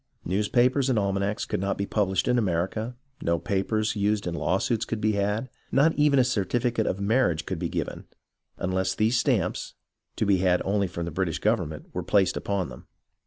News papers and almanacs could not be published in America, no papers used in lawsuits could be had, not even a certificate of marriage could be given, unless these stamps, to be had only from the British government, were placed upon them.